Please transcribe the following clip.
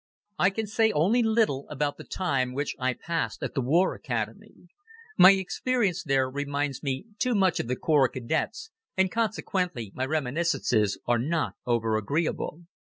I can say only little about the time which I passed at the War Academy. My experience there reminds me too much of the Corps of Cadets and consequently my reminiscences are not over agreeable.